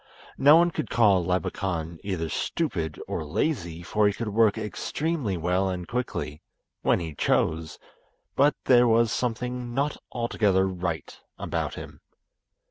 No one could call Labakan either stupid or lazy, for he could work extremely well and quickly—when he chose; but there was something not altogether right about him.